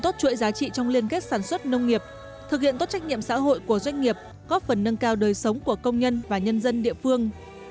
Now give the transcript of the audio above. trong liên kết sản xuất nông nghiệp thực hiện tốt trách nhiệm xã hội của doanh nghiệp góp phần nâng cao đời sống của công nhân và nhân dân địa phương